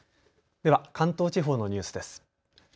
では関東地方のニュースです。